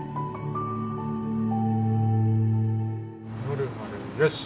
ノルマルよし！